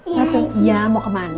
satu iya mau kemana